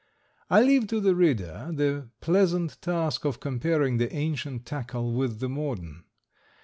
I leave to the reader the pleasant task of comparing the ancient tackle with the modern.